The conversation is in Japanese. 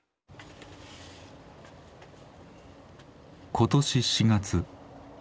今年４月。